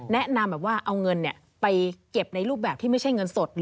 แนะนำแบบว่าเอาเงินไปเก็บในรูปแบบที่ไม่ใช่เงินสด